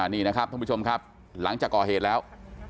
นี่นะครับท่านผู้ชมครับหลังจากก่อเหตุแล้ว